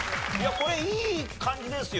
これいい感じですよ。